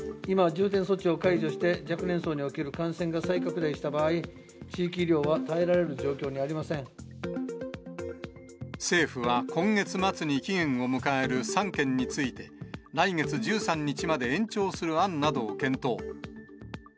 今、重点措置を解除して、若年層における感染が再拡大した場合、地域医療は耐えられる状況政府は今月末に期限を迎える３県について、来月１３日まで延長する案などを検討。